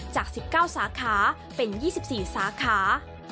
จาก๑๙สาขาเป็น๒๔สาขา